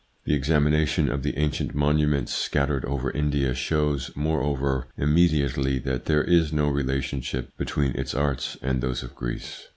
The examination of the ancient monuments scattered over India shows, moreover, immediately that there is no relationship between its arts and those of Greece.